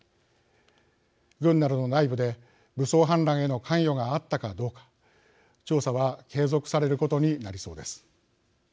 軍などの内部で武装反乱への関与があったかどうか調査は継続されることになりそうです。